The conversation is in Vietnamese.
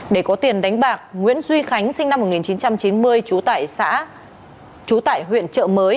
để có tiền đánh bạc nguyễn duy khánh sinh năm một nghìn chín trăm chín mươi trú tại huyện trợ mới